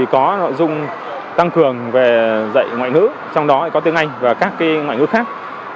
có nội dung tăng cường về dạy ngoại ngữ trong đó có tiếng anh và các ngoại ngữ khác